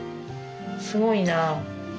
すごいな。